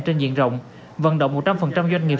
trên diện rộng vận động một trăm linh doanh nghiệp